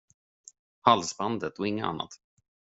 Halsbandet och inget annat.